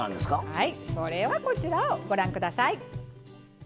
はいそれはこちらをご覧下さい！